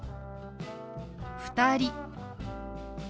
「２人」。